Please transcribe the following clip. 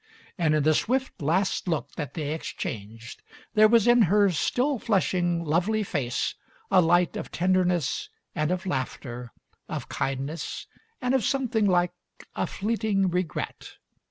And in the swift last look that they exchanged there was in her still flushing, lovely face a light of tenderness and of laughter, of kindness and of something like a fleeting regret.